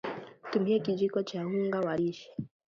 tumia kijiko cha unga wa lishe